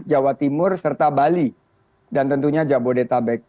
jawa timur serta bali dan tentunya jabodetabek